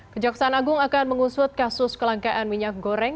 kejaksaan agung akan mengusut kasus kelangkaan minyak goreng